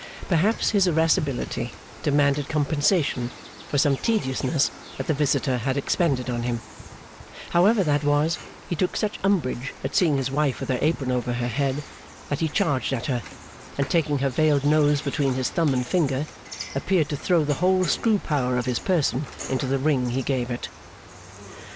Perhaps his irascibility demanded compensation for some tediousness that the visitor had expended on him; however that was, he took such umbrage at seeing his wife with her apron over her head, that he charged at her, and taking her veiled nose between his thumb and finger, appeared to throw the whole screw power of his person into the wring he gave it.